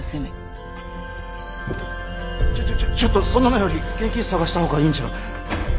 ちょちょちょちょっとそんなのより現金探したほうがいいんじゃ。